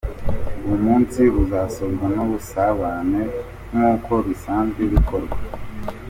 Uwo munsi uzasozwa n’ubusabane nk’uko bisanzwe bikorwa.